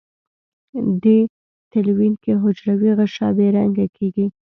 دې تلوین کې حجروي غشا بې رنګه کیږي.